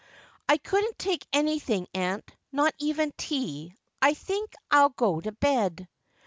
' I couldn't take anything, aunt, not even tea. I think I'll go to bed.'